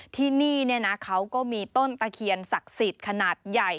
ที่นี่เขาก็มีต้นตะเคียนศักดิ์สิทธิ์ขนาดใหญ่